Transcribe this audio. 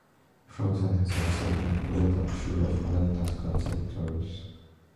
"Frozen" has also been included on three of Madonna's concert tours.